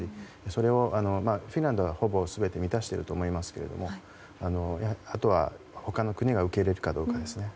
それをフィンランドは、ほぼ全て満たしていると思いますがあとは他の国が受け入れるかどうかですね。